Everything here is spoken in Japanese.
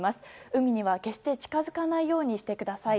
海には決して近づかないようにしてください。